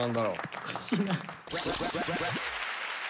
おかしいな。